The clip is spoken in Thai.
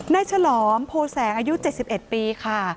ฉลอมโพแสงอายุ๗๑ปีค่ะ